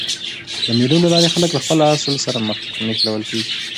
د مېلو له لاري خلک له خپل اصل سره مښلول کېږي.